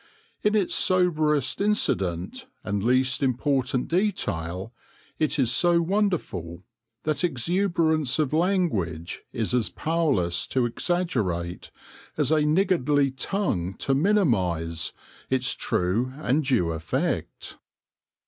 In its soberest incident and least important detail it is so wonderful, that ex uberance of language is as powerless to exaggerate, as a niggardly tongue to minimise, its true and due effect.